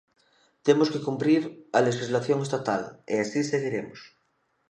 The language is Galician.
Temos que cumprir a lexislación estatal, e así seguiremos.